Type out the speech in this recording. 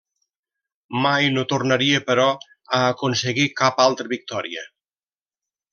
Mai no tornaria, però, a aconseguir cap altra victòria.